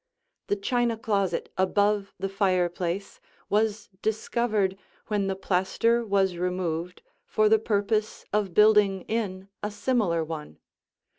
The china closet above the fireplace was discovered when the plaster was removed for the purpose of building in a similar one.